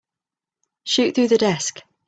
Shoot through the desk.